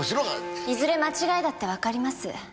いずれ間違いだってわかります。